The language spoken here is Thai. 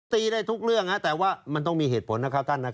ตีได้ทุกเรื่องแต่ว่ามันต้องมีเหตุผลนะครับท่าน